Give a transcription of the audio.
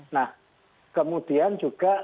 nah kemudian juga